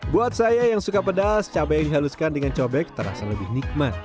buat saya yang suka pedas cabai yang dihaluskan dengan cobek terasa lebih nikmat